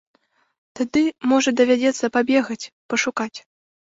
Тады, можа, давядзецца пабегаць, пашукаць.